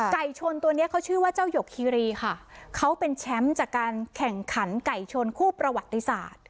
ชนตัวเนี้ยเขาชื่อว่าเจ้าหยกคีรีค่ะเขาเป็นแชมป์จากการแข่งขันไก่ชนคู่ประวัติศาสตร์